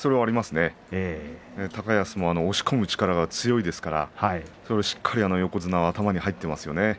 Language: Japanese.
高安も押し込む力が強いですからそれがしっかり横綱は頭に入っていますね。